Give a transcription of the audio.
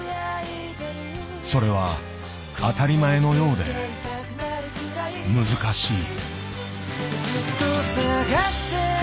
それは当たり前のようで難しい。